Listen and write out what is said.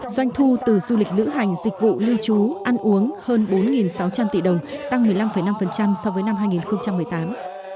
doanh thu từ du lịch lữ hành dịch vụ lưu trú ăn uống hơn bốn sáu trăm linh tỷ đồng tăng một mươi năm năm so với năm hai nghìn một mươi tám